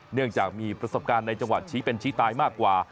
เนื่องจากมีประสบการณ์ในจังหวัดชี้เป็นชี้ตายมากกว่า